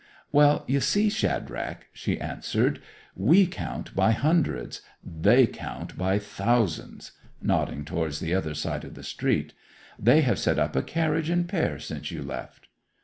'Well you see, Shadrach,' she answered, 'we count by hundreds; they count by thousands' (nodding towards the other side of the Street). 'They have set up a carriage and pair since you left.